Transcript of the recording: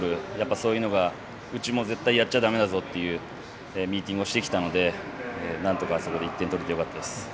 そういうのが、うちも絶対やっちゃだめだぞというミーティングをしてきたのでなんとか、あそこで１点取れてよかったです。